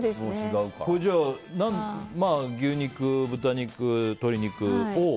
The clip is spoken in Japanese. じゃあ牛肉、豚肉、鶏肉を。